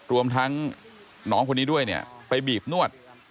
รวมทั้งน้องคนนี้ด้วยเนี่ยไปบีบนวด